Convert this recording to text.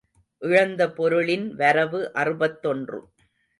இழந்த பொருள்களின் வரவு அறுபத்தொன்று.